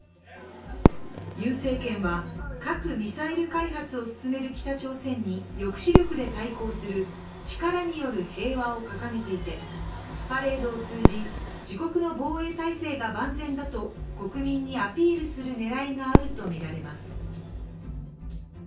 ユン政権は核・ミサイル開発を進める北朝鮮に抑止力で対抗する力による平和を掲げていてパレードを通じ自国の防衛態勢が万全だと国民にアピールする狙いがあるとみられます。